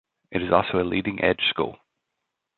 It is also a Leading Edge school.